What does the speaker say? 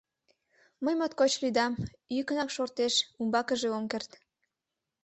— Мый моткоч лӱдам, — йӱкынак шортеш, - умбакыже ом керт.